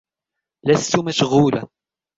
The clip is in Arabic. لست مشغولة.